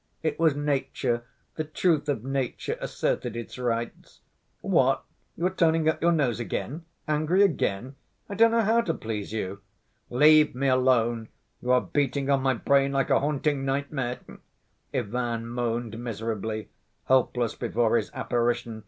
It was nature, the truth of nature asserted its rights! What, you are turning up your nose again? Angry again? I don't know how to please you—" "Leave me alone, you are beating on my brain like a haunting nightmare," Ivan moaned miserably, helpless before his apparition.